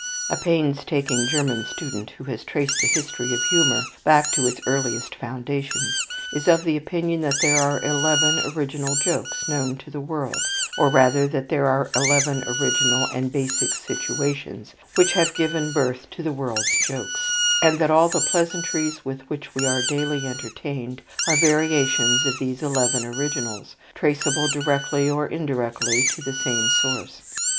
A painstaking German student, who has traced the history of humour back to its earliest foundations, is of the opinion that there are eleven original jokes known to the world, or rather that there are eleven original and basic situations which have given birth to the world's jokes; and that all the pleasantries with which we are daily entertained are variations of these eleven originals, traceable directly or indirectly to the same sources.